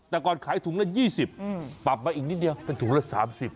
แต่ก่อนขายถุงละ๒๐ปรับมาอีกนิดเดียวเป็นถุงละ๓๐บาท